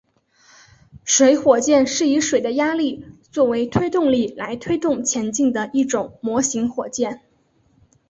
水火箭是以水的压力作为推动力来推动前进的一种模型火箭。